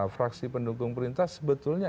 fraksi pendukung perintah sebetulnya